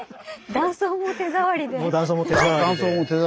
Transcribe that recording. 断層も手触りで分かる。